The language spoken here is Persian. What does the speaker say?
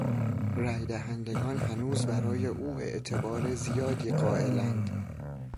رای دهندگان هنوز برای او اعتبار زیادی قائلاند.